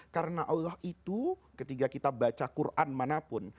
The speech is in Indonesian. karena allah itu ketika kita baca quran manapun